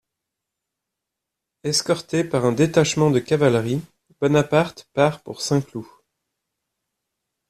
Escorté par un détachement de cavalerie, Bonaparte part pour Saint-Cloud.